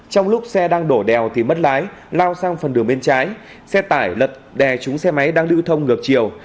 trong lúc xe đang đổ đèo thì mất lái lao sang phần đường bên trái xe tải lật đè trúng xe máy đang lưu thông ngược chiều